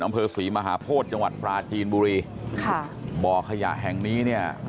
อำเภอศรีมหาโพธิจังหวัดปราจีนบุรีค่ะบ่อขยะแห่งนี้เนี่ย